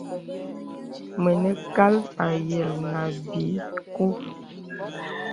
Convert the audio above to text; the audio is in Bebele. Mənə kàl àyə̀l nà ābi kū.